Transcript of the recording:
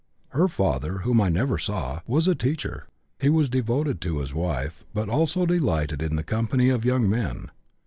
Her father (whom I never saw) was a teacher. He was devoted to his wife, but also delighted in the company of young men.